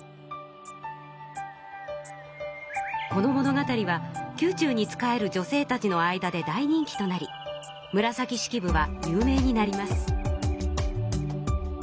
この物語は宮中に仕える女性たちの間で大人気となり紫式部は有名になります。